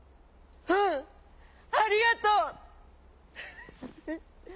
「うん。ありがとう！」。